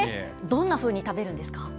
どんなふうに食べるんですか。